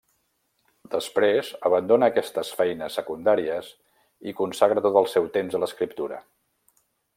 Després abandona aquestes feines secundàries i consagra tot el seu temps a l'escriptura.